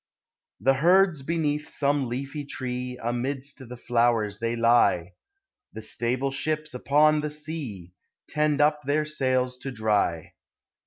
107 The herds beneath some leafy tree, Amidst the flowers they lie; The stable ships upon the sea Tend up their sails to dry.